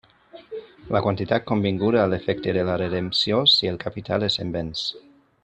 La quantitat convinguda a l'efecte de la redempció, si el capital és en béns.